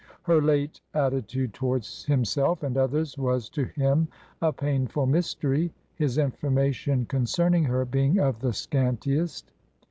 Her late attitude towards himself and others was, to him, a painful mystery, his information concern ing her being of the scantiest.